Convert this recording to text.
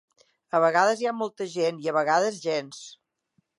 A vegades hi ha molta gent, i a vegades, gens.